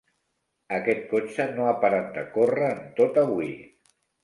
Aquest cotxe no ha parat de córrer en tot avui.